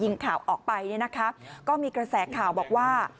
ข่าวออกไปเนี่ยนะคะก็มีกระแสข่าวบอกว่า